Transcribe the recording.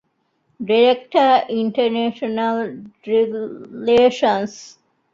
ޑިރެކްޓަރ، އިންޓަރނޭޝަނަލް ރިލޭޝަންސް